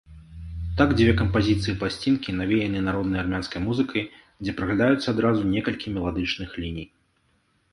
Так дзве кампазіцыі пласцінкі навеяныя народнай армянскай музыкай, дзе праглядаюцца адразу некалькі меладычных ліній.